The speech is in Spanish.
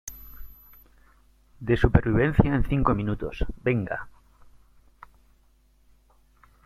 de supervivencia en cinco minutos. venga .